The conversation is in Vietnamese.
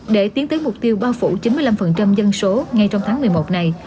để tiến tới mục tiêu bao phủ chín mươi năm dân số ngay trong tháng một mươi một này